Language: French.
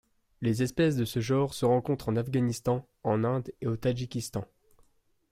Les espèces de ce genre se rencontrent en Afghanistan, en Inde et au Tadjikistan.